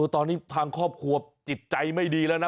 ตอนนี้ทางครอบครัวจิตใจไม่ดีแล้วนะ